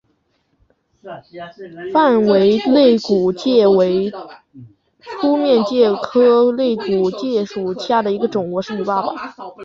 范睢肋骨介为粗面介科肋骨介属下的一个种。